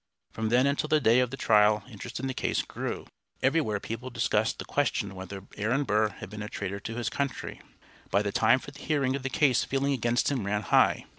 From then until the day of the trial interest in the case grew. Everywhere people discussed the question whether Aaron Burr had been a traitor to his country. By the time for the hearing of the case feeling against him ran high.